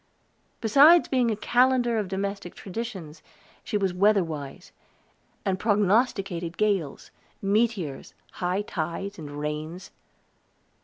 Besides being a calendar of domestic traditions, she was weather wise, and prognosticated gales, meteors, high tides, and rains.